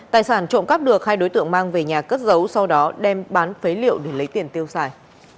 tài sản trộm cắp được hai đối tượng mang về nhà cất giấu sau đó đem bán phế liệu để lấy tiền tiêu xài